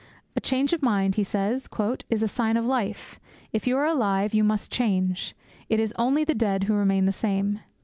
'A change of mind,' he says, 'is a sign of life. If you are alive, you must change. It is only the dead who remain the same.